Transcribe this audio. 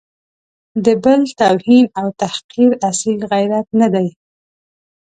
د بل توهین او تحقیر اصیل غیرت نه دی.